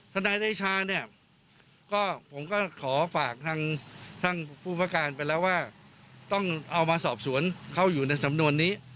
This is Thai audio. นายเดชาเนี่ยก็ผมก็ขอฝากทางท่านผู้ประการไปแล้วว่าต้องเอามาสอบสวนเข้าอยู่ในสำนวนนี้